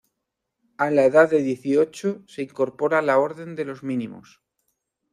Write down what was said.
A la edad de dieciocho se incorpora a la Orden de los Mínimos.